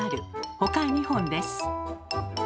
ほか２本です。